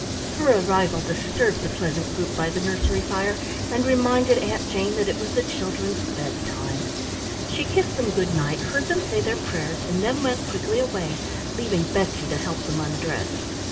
Her arrival disturbed the pleasant group by the nursery fire, and reminded Aunt Jane that it was the children's bedtime. She kissed them good night, heard them say their prayers, and then went quickly away, leaving Betsy to help them undress.